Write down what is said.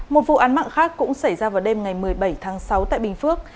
một vụ án mạng khác cũng xảy ra vào đêm ngày một mươi bảy tháng sáu tại bình phước